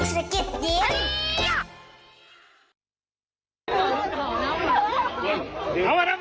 สกิดยิ้ม